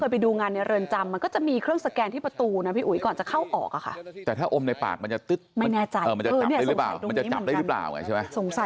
มันจะจับได้รึเปล่า